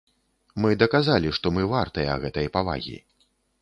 Мы даказалі, што мы вартыя гэтай павагі.